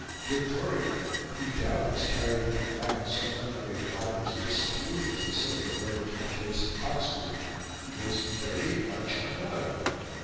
Victoria, who doubtless carried in her mind some memory of Albert's disapproval of a similar verdict in the case of Oxford, was very much annoyed.